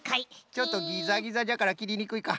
ちょっとギザギザじゃからきりにくいか。